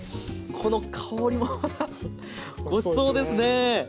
この香りもまたごちそうですね！